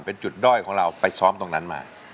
เป็นจุดด้อยของเราไปซ้อมตรงนั้นมา